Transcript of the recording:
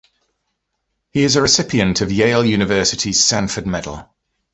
He is a recipient of Yale University's Sanford Medal.